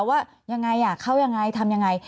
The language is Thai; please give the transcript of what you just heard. ว่ายังไงเข้ายังไงทำยังไง